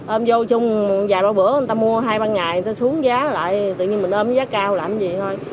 ôm vô chung vài bữa người ta mua hai ba ngày người ta xuống giá lại tự nhiên mình ôm giá cao làm gì thôi